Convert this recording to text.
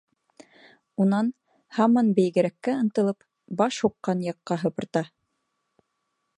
Унан, һаман бейегерәккә ынтылып, баш һуҡҡан яҡҡа һыпырта.